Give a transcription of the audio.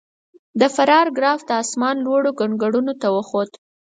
د فرار ګراف د اسمان لوړو کنګرو ته وخوت.